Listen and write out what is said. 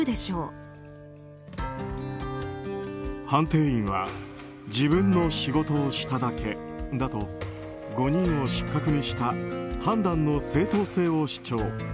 判定員は自分の仕事をしただけだと５人を失格にした判断の正当性を主張。